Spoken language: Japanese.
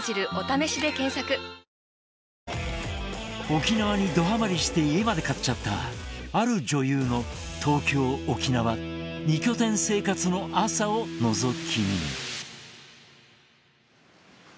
沖縄にドハマリして家まで買っちゃったある女優の東京、沖縄２拠点生活の朝をのぞき見。